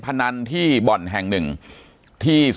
ปากกับภาคภูมิ